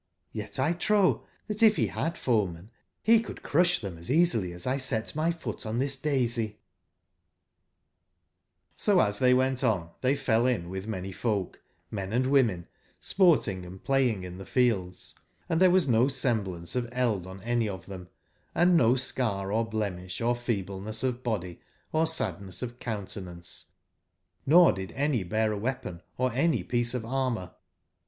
'Yet 1 trow tbat if be bad foemen be could crusb tbem as easily as X set my foot on tbis daisy/' O as tbey went on tbey fell in witb many folk, men and women, sporting & playing in tbe fields ; and tbere was no semblance of eld on any of tbem, and no scar or blemisb or feebleness of body or sadness of countenance; nor did any bear a weapon or any piece of armour.